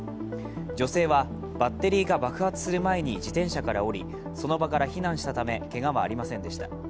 女性はバッテリーが爆発する前に自転車から降り、その場から避難したためけがはありませんでした。